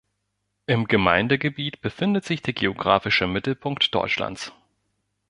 Im Gemeindegebiet befindet sich der geografische Mittelpunkt Deutschlands.